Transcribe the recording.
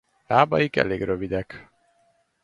Lábaik elég rövidek.